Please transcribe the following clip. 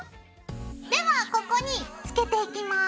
ではここにつけていきます。